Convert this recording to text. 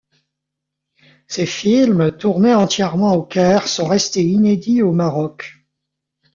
Ces films, tournés entièrement au Caire, sont restés inédits au Maroc.